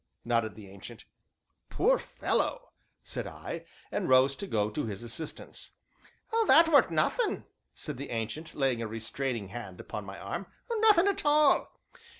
nodded the Ancient. "Poor fellow!" said I, and rose to go to his assistance. "Oh, that weren't nothin'," said the Ancient, laying, a restraining hand upon my arm, "nothin' at all.